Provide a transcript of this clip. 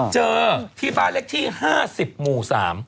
เจอที่บ้านเลขที่๕๐หมู่๓